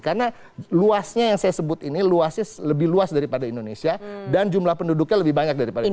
karena luasnya yang saya sebut ini luasnya lebih luas daripada indonesia dan jumlah penduduknya lebih banyak dari indonesia